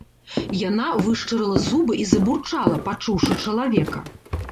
Яна вышчарыла зубы і забурчала, пачуўшы чалавека.